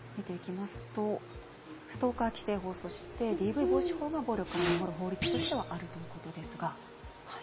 ストーカー規制法ＤＶ防止法が暴力から守る法律としてはあるということですが。